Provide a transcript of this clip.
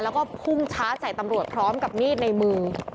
แล้วก็พุ่งช้าใส่ตำรวจพร้อมกับมีดในมือ